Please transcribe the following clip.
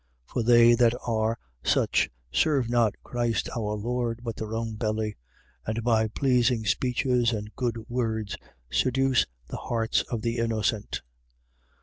16:18. For they that are such serve not Christ our Lord but their own belly: and by pleasing speeches and good words seduce the hearts of the innocent.